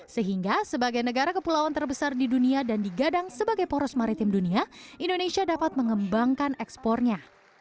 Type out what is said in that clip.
sehingga sebagai negara kepulauan terbesar di dunia dan digadang sebagai poros maritim dunia indonesia dapat mengembangkan ekspornya